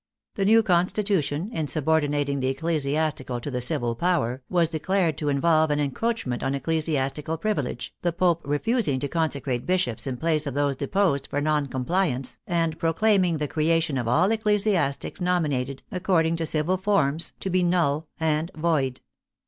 The new constitu tion, in subordinating the ecclesiastical to the civil power, was declared to involve an encroachment on ecclesias tical privilege, the Pope refusing to consecrate bishops in place of those deposed for non compliance, and pro claiming the creation of all ecclesiastics nominated ac cording to civil forms to be null and void.